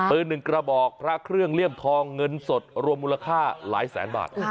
หนึ่งกระบอกพระเครื่องเลี่ยมทองเงินสดรวมมูลค่าหลายแสนบาท